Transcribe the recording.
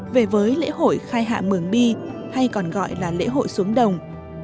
nghi lễ khai hạ mường bi hay còn gọi là lễ hội xuống đồng